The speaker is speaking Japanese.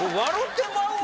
てまうわ